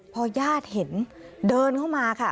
พอญาติเห็นเดินเข้ามาค่ะ